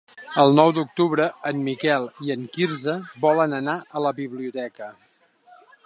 El nou d'octubre en Miquel i en Quirze volen anar a la biblioteca.